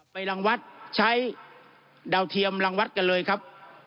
ไปรังวัฒน์ใช้ดาวเทียมรังวัฒน์กันเลยครับ